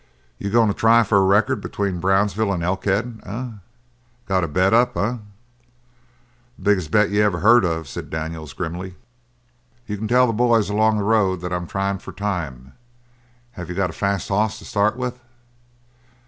"You going to try for a record between Brownsville and Elkhead, eh? Got a bet up, eh?" "The biggest bet you ever heard of," said Daniels grimly. "You can tell the boys along the road that I'm tryin' for time. Have you got a fast hoss to start with?"